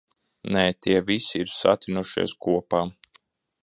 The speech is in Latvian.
Nē, tie visi ir satinušies kopā.